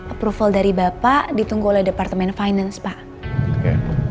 approval dari bapak ditunggu oleh departemen finance pak